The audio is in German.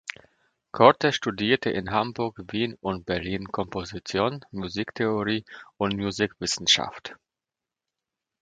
Korte studierte in Hamburg, Wien und Berlin Komposition, Musiktheorie und Musikwissenschaft.